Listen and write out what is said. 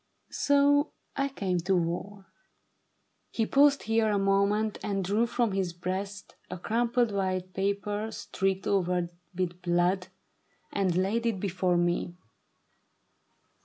So I came to the war." He paused here a moment, and drew from his breast A crumpled white paper streaked over with blood, And laid it before me.